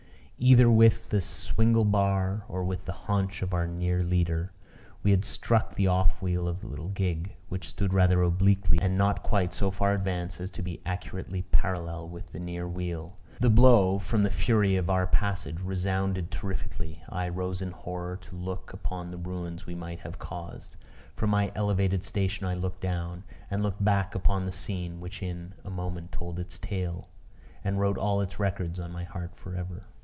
Either with the swingle bar, or with the haunch of our near leader, we had struck the off wheel of the little gig, which stood rather obliquely and not quite so far advanced as to be accurately parallel with the near wheel. The blow, from the fury of our passage, resounded terrifically. I rose in horror, to look upon the ruins we might have caused. From my elevated station I looked down., and looked back upon the scene, which in a moment told its tale, and wrote all its records on my heart for ever.